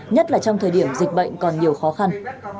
nhất là trong thời điểm dịch bệnh còn nhiều khó khăn